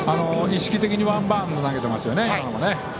意識的にワンバウンドで投げてますよね。